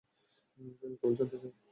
আমি কেবল জানতে চাই।